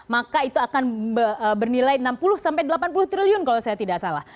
maka itu akan bernilai enam puluh sampai delapan puluh triliun kalau saya tidak salah